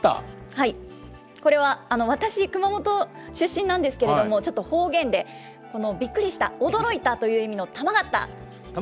これは、私、熊本出身なんですけれども、ちょっと方言で、びっくりした、驚いたまがった。